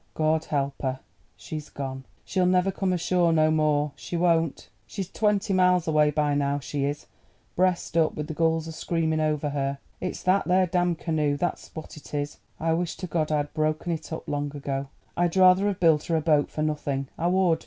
Goad help her! She's gone; she'll never come ashore no more, she won't. She's twenty miles away by now, she is, breast up, with the gulls a screaming over her. It's that there damned canoe, that's what it is. I wish to Goad I had broke it up long ago. I'd rather have built her a boat for nothing, I would.